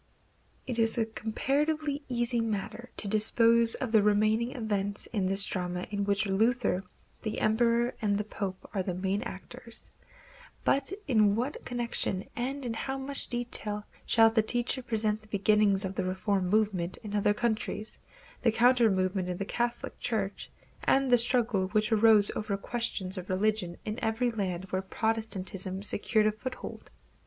It is a comparatively easy matter to dispose of the remaining events in this drama in which Luther, the Emperor and the Pope are the main actors; but in what connection, and in how much detail, shall the teacher present the beginnings of the reform movement in other countries, the counter movement in the Catholic Church, and the struggles which arose over questions of religion in every land where Protestantism secured a foothold?